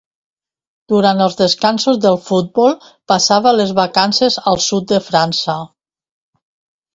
Durant els descansos del futbol passava les vacances al sud de França.